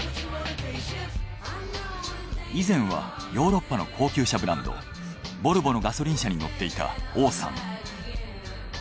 以前はヨーロッパの高級車ブランドボルボのガソリン車に乗っていた王さん。